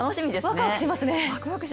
ワクワクしますね。